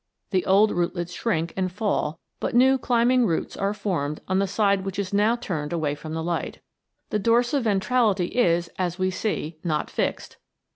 The old rootlets shrink and fall, but new climbing roots are formed on the side which is now turned away from the light. The dorsi ventrality is, as we see, not fixed.